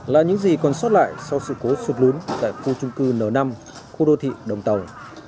là những gì còn sót lại sau sự cố sụt lún tại khu trung cư n năm khu đô thị đồng tàu